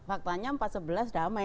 faktanya empat sebelas damai